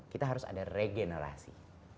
kita harus ada regenerasi